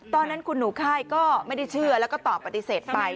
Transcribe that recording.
ตอนนั้นคุณหนูค่ายก็ไม่ได้เชื่อแล้วก็ตอบปฏิเสธไป